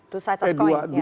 dua mata uang